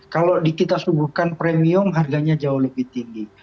kalau kita subuhkan premium harganya jauh lebih tinggi